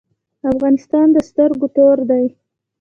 افغانستان د سترګو تور دی